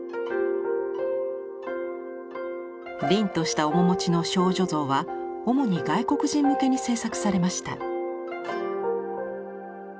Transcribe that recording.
凛とした面持ちの少女像は主に外国人向けに制作されました。